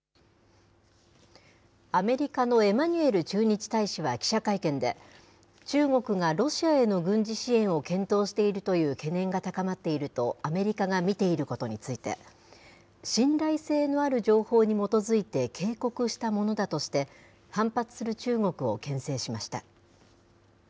アメリカのエマニュエル駐日大使は記者会見で、中国がロシアへの軍事支援を検討しているという懸念が高まっているとアメリカが見ていることについて、信頼性のある情報に基づいて警告したものだとして、反発する中国をけん制しました。